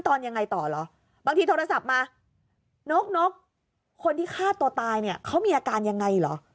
ตอนยังไงต่อเหรอบางทีโทรศัพท์มานกนกคนที่ฆ่าตัวตายเนี่ยเขามีอาการยังไงเหรอ